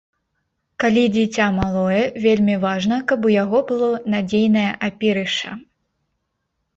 Калі дзіця малое, вельмі важна, каб у яго было надзейнае апірышча.